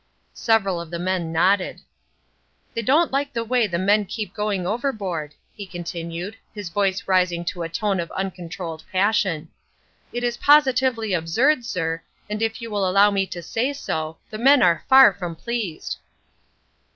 Several of the men nodded. "They don't like the way the men keep going overboard," he continued, his voice rising to a tone of uncontrolled passion. "It is positively absurd, sir, and if you will allow me to say so, the men are far from pleased."